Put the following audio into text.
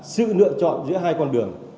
sự lựa chọn giữa hai con đường